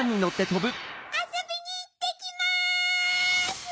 あそびにいってきます！